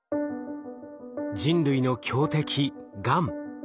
人類の強敵がん。